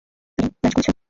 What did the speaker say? Hello, -lunch করেছ?